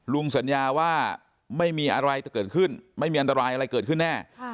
สัญญาว่าไม่มีอะไรจะเกิดขึ้นไม่มีอันตรายอะไรเกิดขึ้นแน่